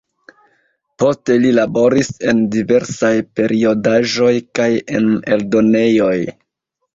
Poste li laboris en diversaj periodaĵoj, kaj en eldonejoj.